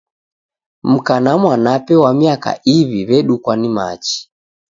Mka na mwanape wa miaka iw'i w'edukwa ni machi.